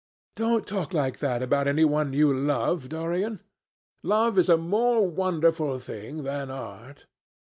"Don't talk like that about any one you love, Dorian. Love is a more wonderful thing than art."